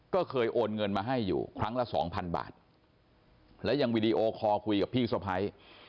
ก็เคยโอนเงินมาให้อยู่ครั้งละสองพันบาทและยังวีดีโอคอลคุยกับพี่สะพ้าย